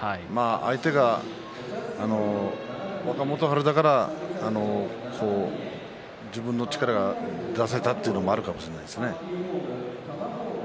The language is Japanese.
相手が若元春だから自分の力が出せたというのもあるかもしれませんね。